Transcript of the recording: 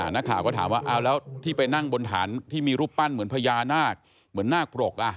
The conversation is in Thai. นักข่าวก็ถามว่าเอาแล้วที่ไปนั่งบนฐานที่มีรูปปั้นเหมือนพญานาคเหมือนนาคปรก